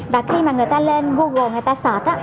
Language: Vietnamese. và khi mà người ta lên google người ta search á